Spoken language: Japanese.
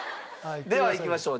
ではいきましょう。